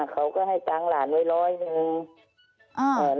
เขาก็ให้ตังค์หลานไว้ร้อยหนึ่ง